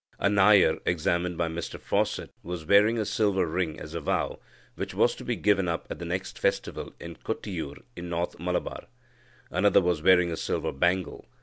A Nayar examined by Mr Fawcett was wearing a silver ring as a vow, which was to be given up at the next festival at Kottiur in North Malabar. Another was wearing a silver bangle.